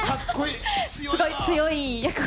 すごい強い役を。